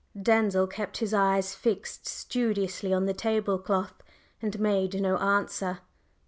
Denzil kept his eyes fixed studiously on the table cloth and made no answer.